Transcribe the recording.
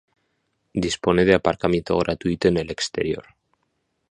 Dispone de aparcamiento gratuito en el exterior.